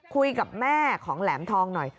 คุยกับแม่ของแหลมทองหน่อย